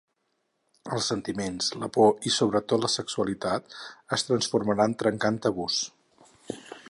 Els sentiments, la por i, sobretot, la sexualitat, es transformaran trencant tabús.